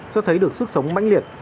cho thấy được sức sống mãnh liệt